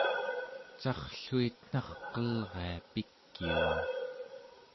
carrluitnarqelria pikiun